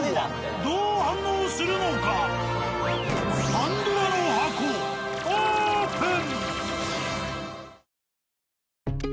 パンドラの箱オープン！